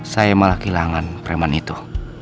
saya malah kehilangan preman itu